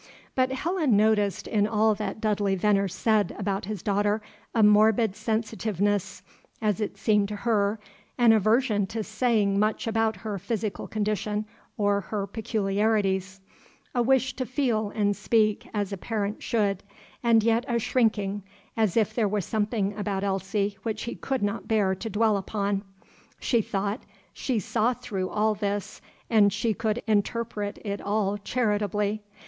But Helen noticed in all that Dudley Venner said about his daughter a morbid sensitiveness, as it seemed to her, an aversion to saying much about her physical condition or her peculiarities, a wish to feel and speak as a parent should, and yet a shrinking, as if there were something about Elsie which he could not bear to dwell upon. She thought she saw through all this, and she could interpret it all charitably.